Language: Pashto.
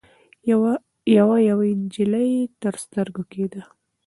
يوه يوه نجلۍ تر سترګو کېده.